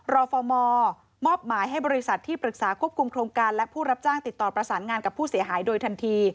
รฟมมอบหมายให้บริษัทที่ปรึกษาควบคุมโครงการและผู้รับจ้างติดต่อประสานงานกับผู้เสียหายโดยทันที